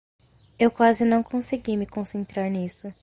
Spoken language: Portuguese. Eu quase não consegui me concentrar nisso.